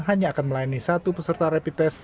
hanya akan melayani satu peserta rapid test